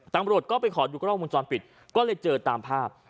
ตำรวจก็ไปขอดูกล้องวงจรปิดก็เลยเจอตามภาพ